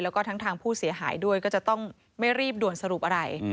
แล้วก็ทั้งทางผู้เสียหายด้วยก็จะต้องไม่รีบด่วนสรุปอะไร